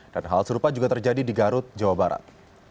dan hal serupa juga terjadi di garut jawa barat